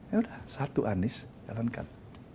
ya udah satu anies jalankan